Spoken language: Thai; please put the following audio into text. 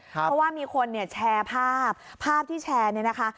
เพราะว่ามีคนเนี่ยแชร์ภาพภาพที่แชร์เนี่ยนะคะ